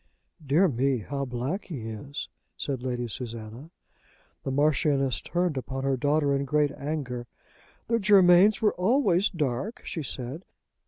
"Dear me, how black he is!" said Lady Susanna. The Marchioness turned upon her daughter in great anger. "The Germains were always dark," she said.